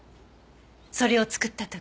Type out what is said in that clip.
それを作った時。